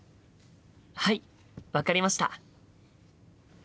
はい分かりました！